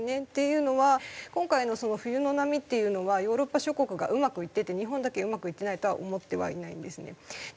っていうのは今回の冬の波っていうのはヨーロッパ諸国がうまくいってて日本だけうまくいってないとは思ってはいないんですね。